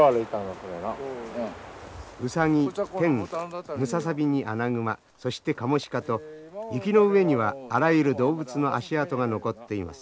ウサギテンムササビにアナグマそしてカモシカと雪の上にはあらゆる動物の足跡が残っています。